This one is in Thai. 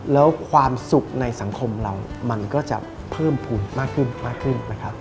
แล้วความสุขในสังคมเรามันก็จะเพิ่มภูมิมากขึ้น